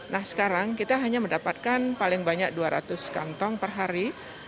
nah sekarang kita hanya mendapatkan paling banyak dua ratus kantong per hari